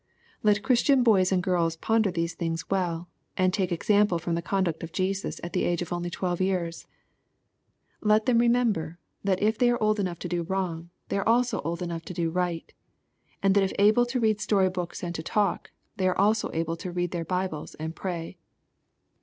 Let Christian boys and girls ponder these things well, and take example from the conduct of Jesus at the age of only twelve years. Let them remember^ that if they are old enough to do wrong, they are also old enough J LUKE, CHAP. II. 81 tc do right ; a ad that if able to read story books and to talk, they are also able to read their Bibles and pray.